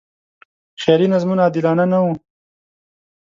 خیالي نظمونه عادلانه نه و.